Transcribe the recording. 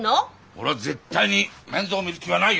俺は絶対に面倒見る気はないよ。